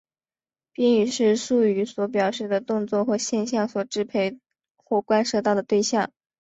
宾语是述语所表示的动作或现象所支配或关涉到的对象。